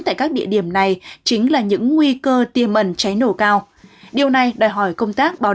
tại các địa điểm này chính là những nguy cơ tiềm mẩn cháy nổ cao điều này đòi hỏi công tác